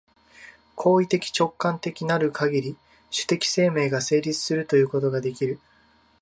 行為的直観的なるかぎり、種的生命が成立するということができる。